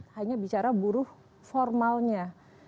hanya bicara buruh formalnya